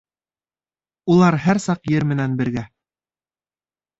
Улар һәр саҡ Ер менән бергә.